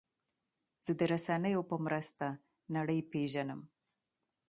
زه د رسنیو په مرسته نړۍ پېژنم.